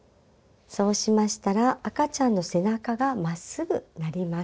そうしましたら赤ちゃんの背中がまっすぐなります。